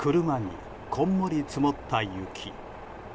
車に、こんもり積もった雪。